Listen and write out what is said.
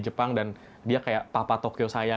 jepang dan dia kayak papa tokyo saya